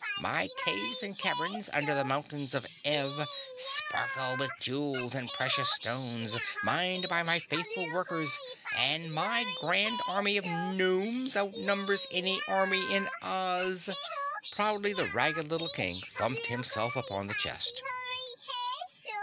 My caves and caverns under the mountains of Ev sparkle with jewels and precious stones, mined by my faithful workers, and my grand army of gnomes outnumbers any army in OZ." Proudly the ragged little King thumped himself upon the chest.